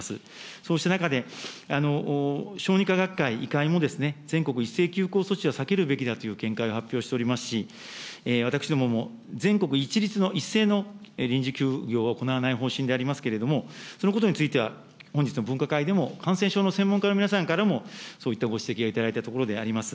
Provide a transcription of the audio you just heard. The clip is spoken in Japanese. そうした中で、小児科学会医会も全国一斉休校措置は避けるべきだという見解を発表しておりますし、私どもも全国一律の、一斉の臨時休業は行わない方針でありますけれども、そのことについては、本日の分科会でも、感染症の専門家の皆さんからも、そういったご指摘をいただいたところであります。